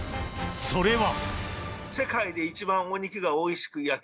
それは。